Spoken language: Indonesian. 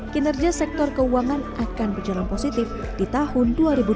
kinerja sektor keuangan akan berjalan positif di tahun dua ribu dua puluh